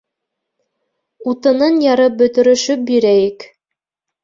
— Утынын ярып бөтөрөшөп бирәйек.